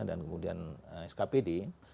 dan kemudian skpd